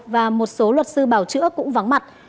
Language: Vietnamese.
và một số luật sư bảo chữa cũng vắng mặt